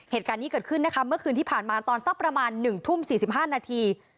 เหตุการณ์นี้เกิดขึ้นนะคะเมื่อคืนที่ผ่านมาตอนสักประมาณ๑ทุ่ม๔๕นาที